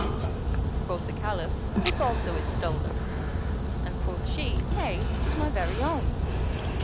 Quoth the Caliph, "This also is stolen"; and quoth she, "Nay, 'tis my very own."